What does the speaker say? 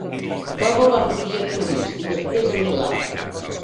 Cova va fugir a Tunis i després a Milà.